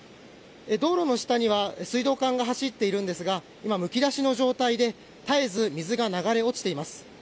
道路の下には水道管が走っているんですが今、むき出しの状態で絶えず水が流れ落ちています。